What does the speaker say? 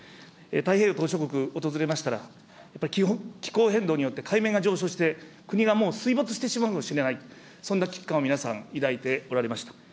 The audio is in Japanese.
太平洋島しょ国訪れましたら、気候変動によって海面が上昇して、国がもう水没してしまうかもしれない、そんな危機感を皆さん、抱いておられました。